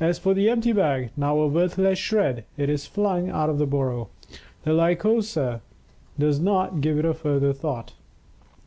As for the empty bag, now a worthless shred, it is flung out of the burrow; the Lycosa does not give it a further thought.